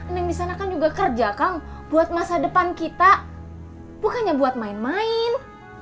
neng di sana kan juga kerja kang buat masa depan kita bukannya buat main main